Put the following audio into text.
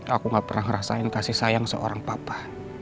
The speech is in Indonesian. aku gak pernah ngerasain kasih sayang seorang papa